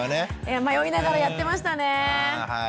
迷いながらやってましたね。